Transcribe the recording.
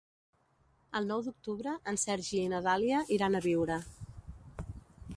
El nou d'octubre en Sergi i na Dàlia iran a Biure.